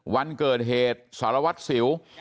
วันเกิดเหตุสารวัตรสิว